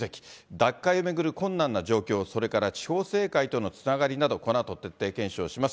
脱会を巡る困難な状況、それから地方政界とのつながりなど、このあと徹底検証します。